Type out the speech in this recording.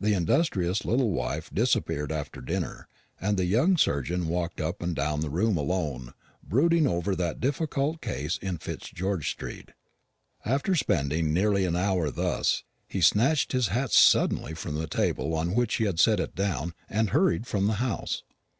The industrious little wife disappeared after dinner, and the young surgeon walked up and down the room alone, brooding over that difficult case in Fitzgeorge street. After spending nearly an hour thus, he snatched his hat suddenly from the table on which he had set it down, and hurried from the house.